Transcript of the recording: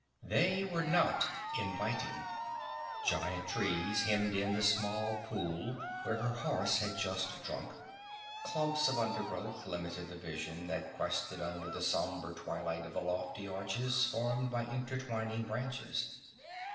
They were not inviting. Giant trees hemmed in the small pool where her horse had just drunk. Clumps of undergrowth limited the vision that quested under the somber twilight of the lofty arches formed by intertwining branches.